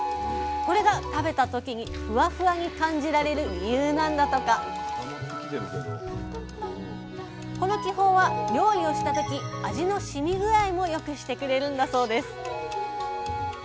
これが食べた時にふわふわに感じられる理由なんだとかこの気泡は料理をした時味のしみ具合もよくしてくれるんだそうです